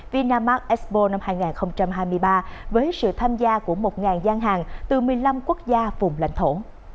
vinamark expo năm hai nghìn hai mươi ba với sự tham gia của một gian hàng từ một mươi năm quốc gia vùng lãnh thổ